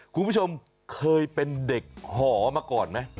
คุณผู้ชมเคยเป็นเด็กหอมาก่อนไหม